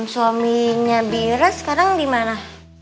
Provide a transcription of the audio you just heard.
suaminya bira sekarang dimana